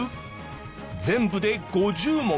全部で５０問。